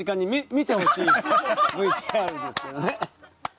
ＶＴＲですけどね。